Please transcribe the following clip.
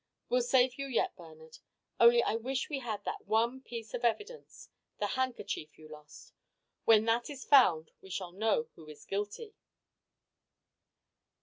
We'll save you yet, Bernard; only I wish we had that one piece of evidence the handkerchief you lost. When that is found we shall know who is guilty."